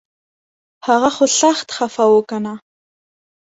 هغه خو سخت خفه و کنه